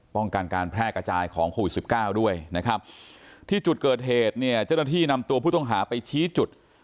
ป้องกันการแพร่กระจายของโควิดสิบเก้าด้วยนะครับที่จุดเกิดเหตุเนี่ยเจ้าหน้าที่นำตัวผู้ต้องหาไปชี้จุด